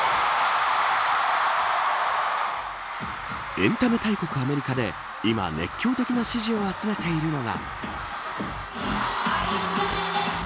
エンタメ大国アメリカで今、熱狂的な支持を集めているのが。